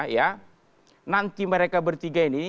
ya nanti mereka bertiga ini